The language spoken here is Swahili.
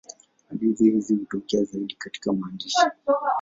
Hadithi hizi hutokea zaidi katika maandishi.